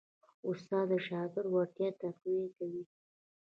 استاد د شاګرد وړتیا تقویه کوي.